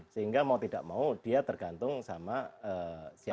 sehingga mau tidak mau dia tergantung sama siapa